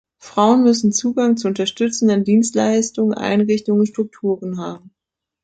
Frauen müssen Zugang zu unterstützenden Dienstleistungen, Einrichtungen und Strukturen haben.